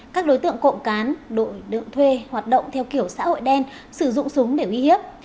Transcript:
các đối tượng cộng cán đội đựng thuê hoạt động theo kiểu xã hội đen sử dụng súng để uy hiếp